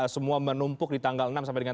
semua menumpuk di tanggal enam sampai dengan